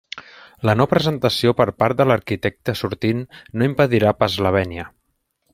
La no presentació per part de l'arquitecte sortint no impedirà pas la vènia.